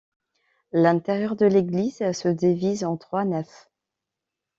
L'intérieur de l'église se divise en trois nefs.